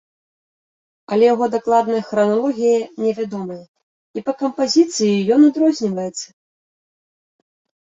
Але яго дакладная храналогія невядомая і па кампазіцыі ён адрозніваецца.